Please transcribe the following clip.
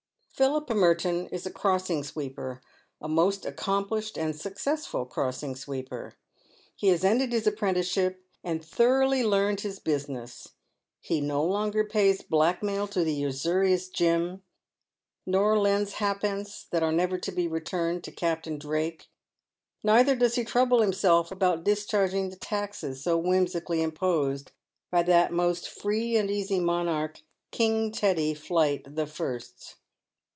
Philip Merton is a crossing sweeper — a most accomplished and successful crossing sweeper. He has ended his apprenticeship, and thoroughly learned his busi ness, He no longer pays black mail to the usurious Jim, nor lends halfpence, that are never to be returned, to Captain Drake ; neither does he trouble himself about discharging the taxes so whimsically imposed by that most free and easy monarch, King Teddy Plight the First.